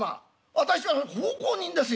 私は奉公人ですよ。